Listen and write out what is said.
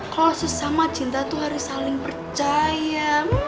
kalo sesama cinta tuh harus saling percaya